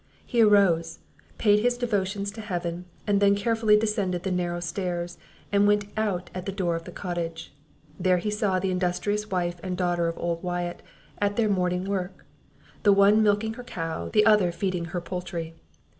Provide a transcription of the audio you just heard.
He arose, paid his devotions to Heaven, and then carefully descended the narrow stairs, and went out at the door of the cottage. There he saw the industrious wife and daughter of old Wyatt at their morning work, the one milking her cow, the other feeding her poultry.